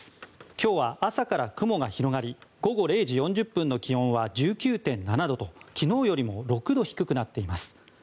今日は朝から雲が広がり午後０時４０分の気温は１９．７度と昨日よりも６度低くなっています。